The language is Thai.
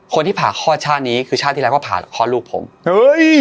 คนที่ผ่าคลอดชาตินี้คือชาติที่แล้วก็ผ่าคลอดลูกผมเฮ้ย